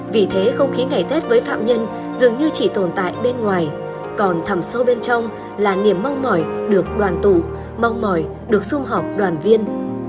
vì thế không khí ngày tết với phạm nhân dường như chỉ tồn tại bên ngoài còn thầm sâu bên trong là niềm mong mỏi được đoàn tụ mong mỏi được xung họp đoàn viên